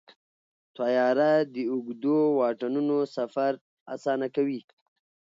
طیاره د اوږدو واټنونو سفر اسانه کوي.